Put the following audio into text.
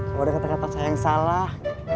kalau ada kata kata saya yang salah